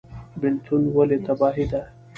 بیلتون ولې تباهي ده؟